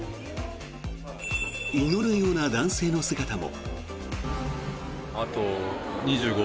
祈るような男性の姿も。